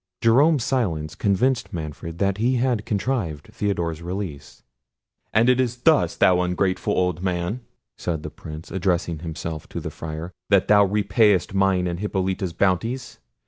Jerome's silence convinced Manfred that he had contrived Theodore's release. "And is it thus, thou ungrateful old man," said the Prince, addressing himself to the Friar, "that thou repayest mine and Hippolita's bounties?